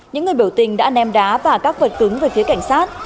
những người biểu tình đã ném đá và các vật cứng về phía cảnh sát